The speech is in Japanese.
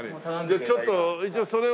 じゃあちょっと一応それを。